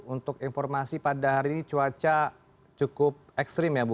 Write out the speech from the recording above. untuk informasi pada hari ini cuaca cukup ekstrim ya bu